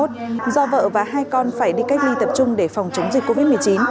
do vợ và hai con phải đi cách ly tập trung để phòng chống dịch covid một mươi chín